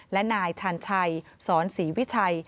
และนายชาญชัยสอนศรีวิชัย